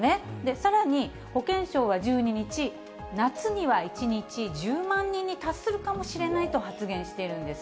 さらに、保健相は１２日、夏には１日１０万人に達するかもしれないと発言しているんです。